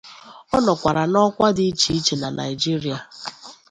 Ọ nọkwara n'ọkwa di iche iche na Nigeria.